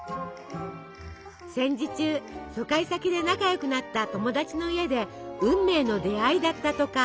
戦時中疎開先で仲良くなった友達の家で運命の出会いだったとか。